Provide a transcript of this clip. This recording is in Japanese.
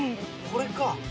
これか。